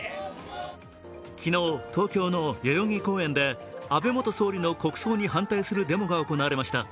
昨日、東京の代々木公園で安倍元総理の国葬に反対するデモが行われました。